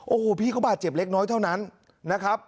โอ้โหพี่เขาบาดเจ็บเล็กน้อยเท่านั้นนะครับ